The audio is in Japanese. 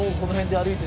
歩いて。